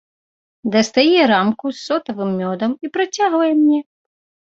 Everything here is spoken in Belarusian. Дастае рамку з сотавым мёдам і працягвае мне.